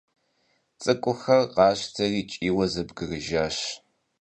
ЦӀыкӀухэр къащтэри кӀийуэ зэбгрыжащ.